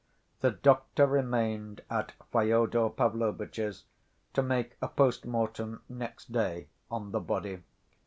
The doctor remained at Fyodor Pavlovitch's to make a post‐mortem next day on the body.